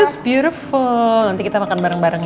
this is beautiful nanti kita makan bareng bareng ya